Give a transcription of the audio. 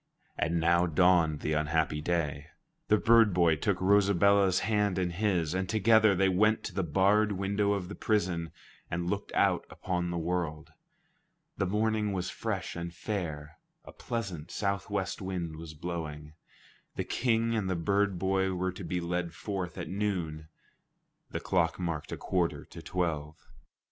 And now dawned the unhappy day. The bird boy took Rosabella's hand in his, and together they went to the barred window of the prison and looked out upon the world. The morning was fresh and fair; a pleasant southwest wind was blowing. The King and the bird boy were to be led forth at noon. The clock marked a quarter to twelve.